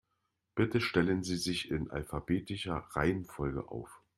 Bitte stellen Sie sich in alphabetischer Reihenfolge auf.